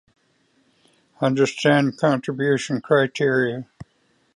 A variant spelling was "Rainey".